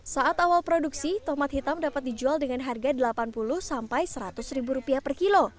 saat awal produksi tomat hitam dapat dijual dengan harga rp delapan puluh sampai seratus ribu rupiah per kilo